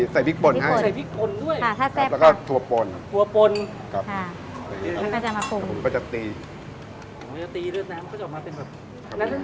ใช้พริกปนด้วยและก็ทัวร์ปนครับเราก็จะมาปรุง